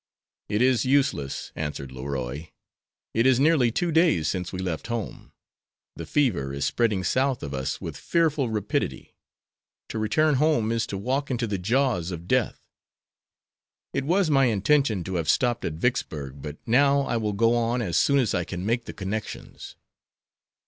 "It is useless," answered Leroy. "It is nearly two days since we left home. The fever is spreading south of us with fearful rapidity. To return home is to walk into the jaws of death. It was my intention to have stopped at Vicksburg, but now I will go on as soon as I can make the connections."